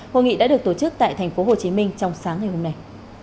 hội nghị đã được tổ chức tại tp hcm trong sáng ngày hôm nay